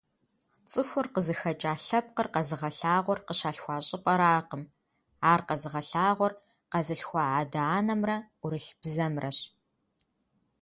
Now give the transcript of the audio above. ЦӀыхур къызыхэкӀа лъэпкъыр къэзыгъэлъагъуэр къыщалъхуа щӀыпӀэракъым, ар къэзыгъэлъагъуэр къэзылъхуа адэ-анэмрэ ӏурылъ бзэмрэщ.